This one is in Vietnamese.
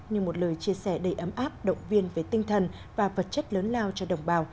như một lời chia sẻ đầy ấm áp động viên về tinh thần và vật chất lớn lao cho đồng bào